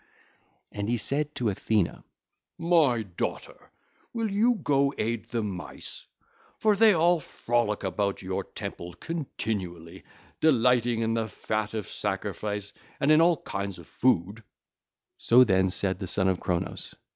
And he said to Athena; (ll. 174 176) 'My daughter, will you go aid the Mice? For they all frolic about your temple continually, delighting in the fat of sacrifice and in all kinds of food.' (ll. 177 196) So then said the son of Cronos.